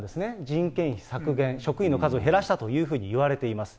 人件費削減、職員の数を減らしたというふうにいわれています。